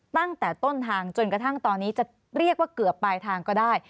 ตั้งแต่ต้นทางจนกระทั่งตอนนี้จะเรียกว่าเกือบปลายทางก็ได้